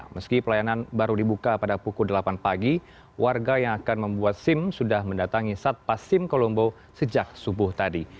meski pelayanan baru dibuka pada pukul delapan pagi warga yang akan membuat sim sudah mendatangi satpas sim kolombo sejak subuh tadi